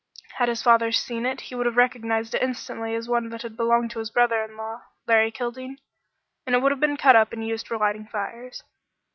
Had his father seen it he would have recognized it instantly as one that had belonged to his brother in law, Larry Kildene, and it would have been cut up and used for lighting fires.